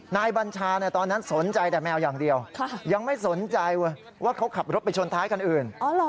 บัญชาตอนนั้นสนใจแต่แมวอย่างเดียวยังไม่สนใจว่าเขาขับรถไปชนท้ายคันอื่น